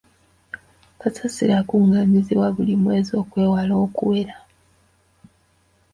Kasasiro akungaanyizibwa buli mwezi okwewala okuwera.